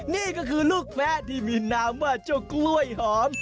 นี่ก็คือลูกแป๊ะที่มีนามว่าเจ้ากล้วยหอม